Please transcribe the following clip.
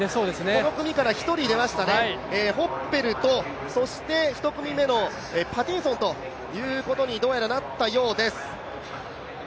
この組から１人出ましたね、ホッペルと１組目のパティソンということになったようです。